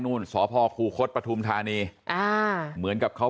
หกสิบล้านหกสิบล้านหกสิบล้านหกสิบล้านหกสิบล้าน